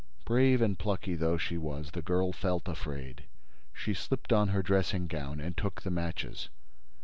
Brave and plucky though she was, the girl felt afraid. She slipped on her dressing gown and took the matches.